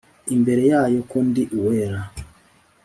imbere yayo ko ndi uwera